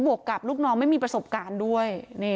วกกับลูกน้องไม่มีประสบการณ์ด้วย